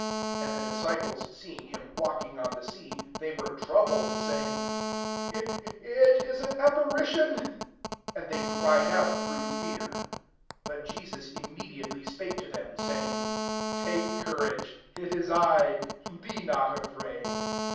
26 And the disciples seeing bim walking on the sea, they were troubled, saying, << It is an ^ parition:" and they cried out through fear. 27 But Jesus ysfkr mediately spake to them, s^ ing, " Take courage : it is I ; be not afraid.''